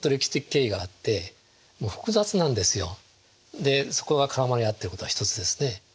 でそこが絡まり合ってることが一つですね。